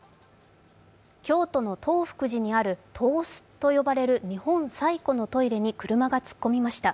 京都の東福寺にある東司と呼ばれる日本最古のトイレに車が突っ込みました。